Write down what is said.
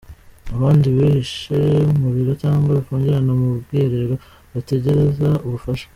Abandi bihishe mu biro cyangwa bifungirana mu bwiherero, bategereza ubufasha.